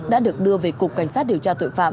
đã được đưa về cục cảnh sát điều tra tội phạm